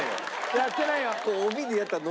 やってないよ。